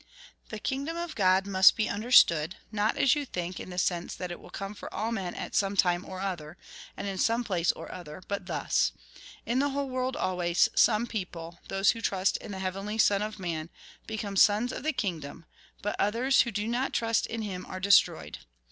" The kingdom of God must be understood, not, as you think, in the sense that it will come for all men at some time or other, and in some place or other, but thus, — In the whole world always, some people, those who trust in the heavenly Son of man, become sons of the kingdom, but others who do not trust in him are destroyed.